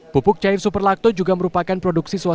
pupuk cair superlakto juga merupakan produk siswa siswi kelas dua